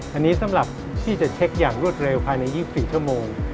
อันนี้สำหรับที่จะเช็คอย่างรวดเร็วภายใน๒๔ชั่วโมง